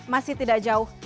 masih tidak jauh